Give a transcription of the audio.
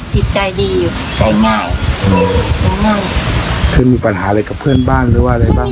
จิตใจดีอยู่ใช้ง่ายใช้ง่ายคือมีปัญหาอะไรกับเพื่อนบ้านหรือว่าอะไรบ้าง